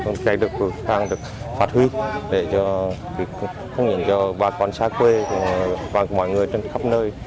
cũng càng được phát huy để cho bà con xa quê và mọi người trên khắp nơi